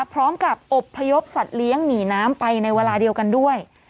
พร้อมกับอบพยพสัตว์เลี้ยงหนีน้ำไปในเวลาเดียวกันด้วย